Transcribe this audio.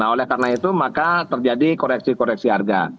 oleh karena itu maka terjadi koreksi koreksi harga